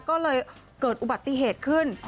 ก็เลยเกิดอุบัติเหตุขึ้น